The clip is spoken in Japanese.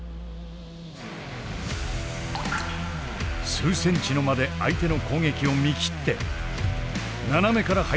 数センチの間で相手の攻撃を見切って斜めから入り込み反撃。